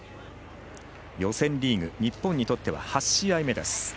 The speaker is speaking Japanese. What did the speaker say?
予選リーグ、日本にとっては８試合目です。